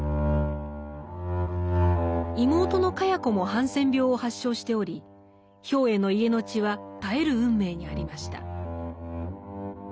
妹の茅子もハンセン病を発症しており兵衛の家の血は絶える運命にありました。